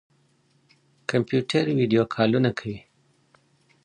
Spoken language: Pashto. کمپيوټر ويډيو کالونه کوي.